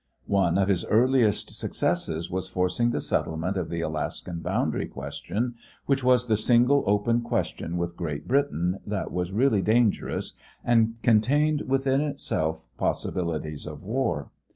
One of his earliest successes was forcing the settlement of the Alaskan boundary question, which was the single open question with Great Britain that was really dangerous and contained within itself possibilities of war.